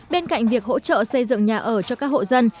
bên cạnh việc hỗ trợ xây dựng nhà ở cho các hộ dân